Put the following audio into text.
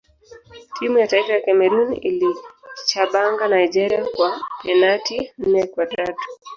timu ya taifa ya cameroon iliichabanga nigeria kwa penati nne kwa tatu